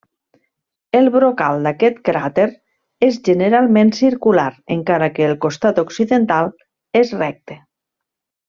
El brocal d'aquest cràter és generalment circular, encara que el costat occidental és recte.